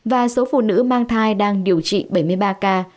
và số phụ nữ mang thai đang điều trị bảy mươi ba ca